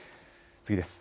次です。